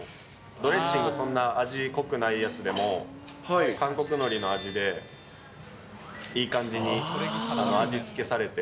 ドレッシングそんな味濃くないやつでも、韓国のりの味で、いい感じに味付けされて。